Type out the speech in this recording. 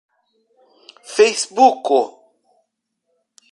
fejsbuko